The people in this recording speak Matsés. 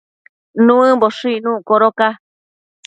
Nuëmboshë icnuc codoca